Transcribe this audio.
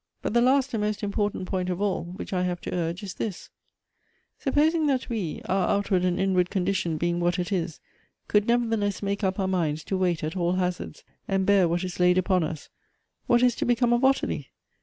But the last and most important point of all which I have to urge is this : sup posing that we, our outward and inward condition being what it is, could nevertheless make up our minds to wait at all hazards, and bear what is laid upon us, what is to become of Ottilie